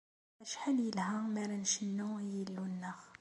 Acḥal yelha mi ara ncennu i Yillu-nneɣ!